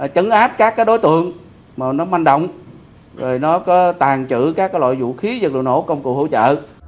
chấn áp các đối tượng mà nó manh động rồi nó có tàn trữ các loại vũ khí vật liệu nổ công cụ hỗ trợ